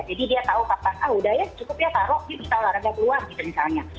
jadi dia tahu kapan ah udah ya cukup ya taruh gitu kita larangnya keluar gitu misalnya